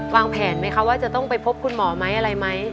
วางแผนไหมคะว่าจะต้องไปพบคุณหมอไหมอะไรไหม